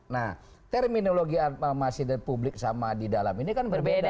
nah terminologi aklamasi dan publik sama di dalam ini kan berbeda